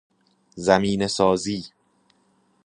زمینه سازی